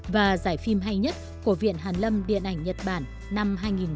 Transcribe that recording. và giải phim hay nhất của viện hàn lâm điện ảnh nhật bản năm hai nghìn một mươi